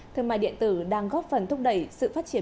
thương mại điện tử đang góp phần thúc đẩy sự phát triển